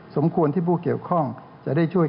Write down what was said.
สมควรที่ผู้เกี่ยวข้องจะได้ช่วย